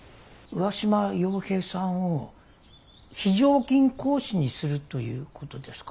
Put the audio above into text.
上嶋陽平さんを非常勤講師にするということですか？